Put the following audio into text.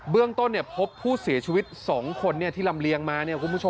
เบื้องต้นพบผู้เสียชีวิตสองคนที่ลำเลี้ยงมา